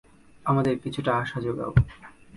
আমাদের কিছুটা আশা জোগাও!